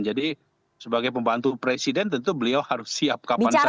jadi sebagai pembantu presiden tentu beliau harus siap kapan saja